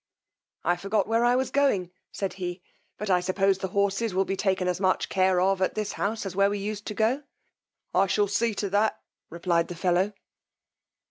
I forgot where I was going, said he, but I suppose the horses will be taken as much care of at this house as where we used to go. I shall see to that, replied the fellow.